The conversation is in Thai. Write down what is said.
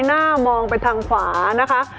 หน้ามองไปทางขวานะคะ